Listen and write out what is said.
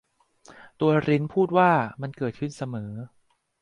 ตัวริ้นพูดว่า มันเกิดขึ้นเสมอ